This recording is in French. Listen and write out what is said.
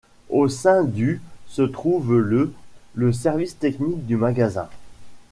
Au sein du ' se trouve le ', le service technique du magasin.